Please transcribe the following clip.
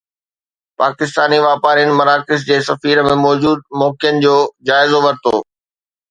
پاڪستاني واپارين مراکش جي سفير ۾ موجود موقعن جو جائزو ورتو